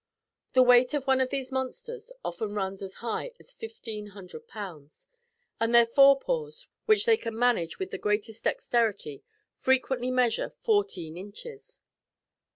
The weight of one of these monsters often runs as high as fifteen hundred pounds; and, their fore paws, which they can manage with the greatest dexterity, frequently measure fourteen inches.